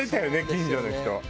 近所の人。